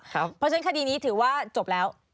เพราะฉะนั้นคดีนี้ถือว่าจบแล้ว